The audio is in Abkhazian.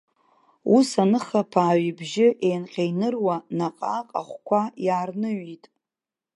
Ус аныхаԥааҩ ибжьы еинҟьа-еиныруа наҟ-ааҟ ахәқәа иаарныҩит.